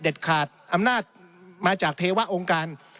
อำนาจสิทธิ์เด็ดขาดอำนาจมาจากเทวะองค์การ